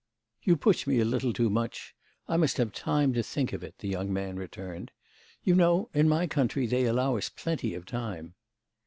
"You push me a little too much; I must have time to think of it," the young man returned. "You know in my country they allow us plenty of time."